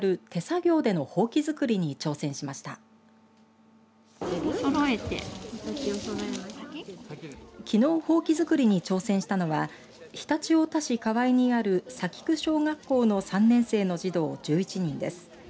きのうほうき作りに挑戦したのは常陸太田市河合にある幸久小学校の３年生の児童１１人です。